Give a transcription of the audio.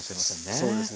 そうですね。